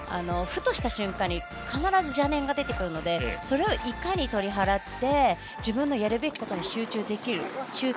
ふとした瞬間に必ず邪念が出てくるのでそれをいかに取り払って自分のやるべきことに集中する。